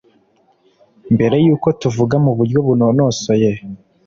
mbere y'uko tuvuga mu buryo bunonosoye